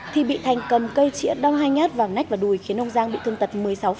thì bị thành cầm cây chĩa đâm hai nhát vào nách và đùi khiến ông giang bị thương tật một mươi sáu